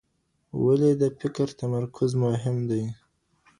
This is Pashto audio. ولي د فکر تمرکز مهم دی؟